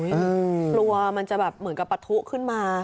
หลัวมันจะเหมือนประทุขึ้นมา